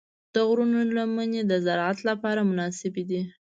د غرونو لمنې د زراعت لپاره مناسبې دي.